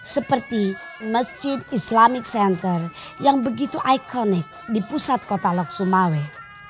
seperti masjid islamic center yang begitu ikonik di pusat kota lok sumawe